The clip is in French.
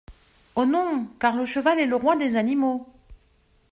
Oh non ! car le cheval est le roi des animaux !